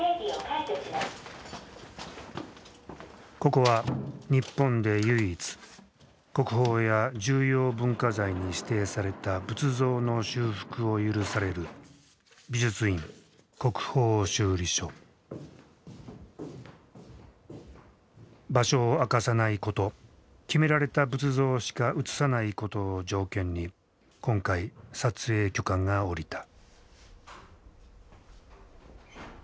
ここは日本で唯一国宝や重要文化財に指定された仏像の修復を許される場所を明かさないこと決められた仏像しか映さないことを条件に今回撮影許可が下りた。